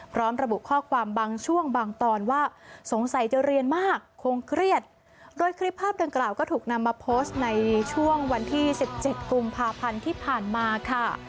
พร้อมระบุข้อความบางช่วงบางตอนว่าสงสัยจะเรียนมากคงเครียดโดยคลิปภาพดังกล่าวก็ถูกนำมาโพสต์ในช่วงวันที่สิบเจ็ดกุมภาพันธ์ที่ผ่านมาค่ะ